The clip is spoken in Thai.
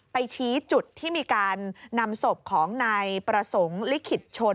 ไปชี้จุดที่มีการนำศพของนายประสงค์ลิขิตชน